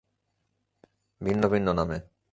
ভিন্ন ভিন্ন নামে।